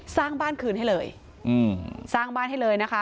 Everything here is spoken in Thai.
สร้างบ้านคืนให้เลยสร้างบ้านให้เลยนะคะ